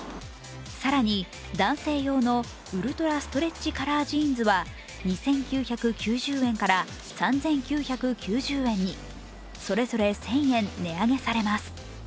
更に、男性用のウルトラストレッチカラージーンズは２９９０円から３９９０円に、それぞれ１０００円値上げされます。